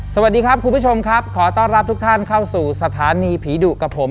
สวัสดีครับคุณผู้ชมครับขอต้อนรับทุกท่านเข้าสู่สถานีผีดุกับผม